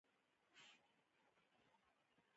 د شوګر دوايانې چې ستاسو د رګونو نه